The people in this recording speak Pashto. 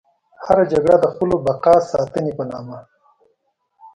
هره جګړه د خپلو بقا ساتنې په نامه.